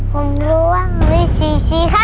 ผมรู้ว่ามีสี่สีครับ